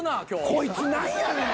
こいつ何やねん！